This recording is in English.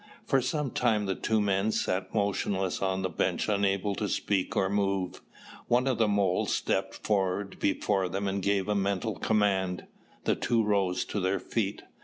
For some time the two men sat motionless on the bench unable to speak or move. One of the moles stepped before them and gave a mental command. The two rose to their feet.